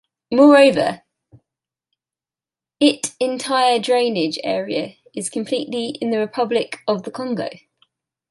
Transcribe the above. Moreover, it entire drainage area is completely in the Republic of the Congo.